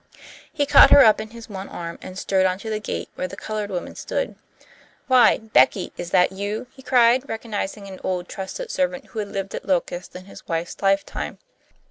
He caught her up in his one arm, and strode on to the gate, where the coloured woman stood. "Why, Becky, is that you?" he cried, recognizing an old, trusted servant who had lived at Locust in his wife's lifetime.